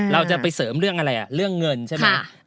เราจะไปเสริมเรื่องอะไรเรื่องเงินใช่ไหม